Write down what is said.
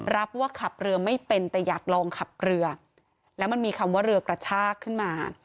รับว่าขับเรือไม่เป็นแต่อยากลองขับเรือแล้วมันมีคำว่าเรือกระชากขึ้นมา